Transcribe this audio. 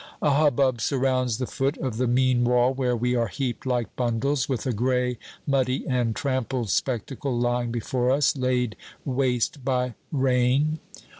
A hubbub surrounds the foot of the mean wall where we are heaped like bundles, with a gray, muddy, and trampled spectacle lying before us, laid waste by rain.